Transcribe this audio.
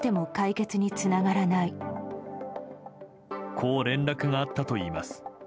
こう連絡があったといいます。